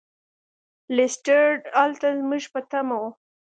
لیسټرډ هلته زموږ په تمه و.